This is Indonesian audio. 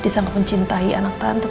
dia sangat mencintai anak tante